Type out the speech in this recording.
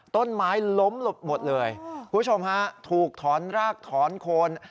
ต้นไม้ล้มหลบหมดเลยคุณผู้ชมฮะถูกถอนรากถอนโคน